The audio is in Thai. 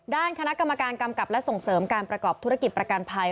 ด้านคณะกรรมการกำกับและส่งเสริมการประกอบธุรกิจประกันภัย